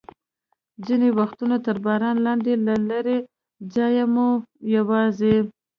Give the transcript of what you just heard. ځینې وختونه تر باران لاندې، له لرې ځایه به مو یوازې.